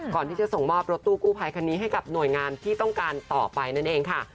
ก่อนที่จะส่งมอบรถตู้กู้ภัยคันนี้ให้กับหน่วยงานที่ต้องการต่อไปนั่นเองค่ะ